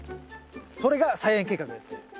それが菜園計画ですね。